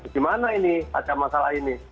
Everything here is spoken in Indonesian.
gimana ini ada masalah ini